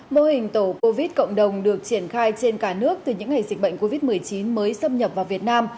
mô hình tổ covid cộng đồng được triển khai trên cả nước từ những ngày dịch bệnh covid một mươi chín mới xâm nhập vào việt nam